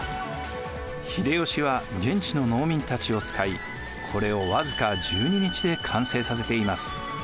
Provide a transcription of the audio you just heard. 秀吉は現地の農民たちを使いこれを僅か１２日で完成させています。